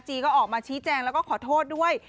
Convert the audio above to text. ก็ออกมาชี้แจงแล้วก็ขอโทษด้วย